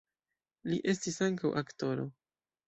Li estis ankaŭ aktoro.